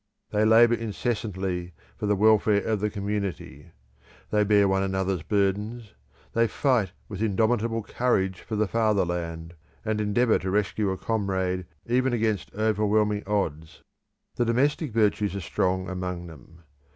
They labour incessantly for the welfare of the community; they bear one another's burdens; they fight with indomitable courage for the fatherland, and endeavour to rescue a comrade even against overwhelming odds. The domestic virtues are strong among them.